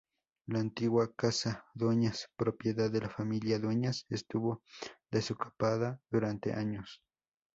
La antigua Casa Dueñas, propiedad de la familia Dueñas, estuvo desocupada durante años.